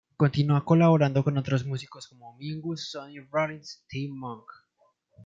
Continua colaborando con otros músicos como Mingus, Sonny Rollins, T. Monk.